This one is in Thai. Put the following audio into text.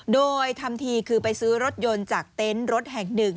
โดยทำทีคือไปซื้อรถยนต์จากเต็นต์รถแห่งหนึ่ง